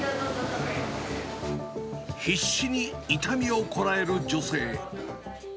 必死に痛みをこらえる女性。